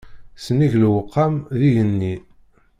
Sennig lewqam, d igenni.